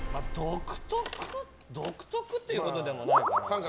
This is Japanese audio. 独特っていうほどでもないかな。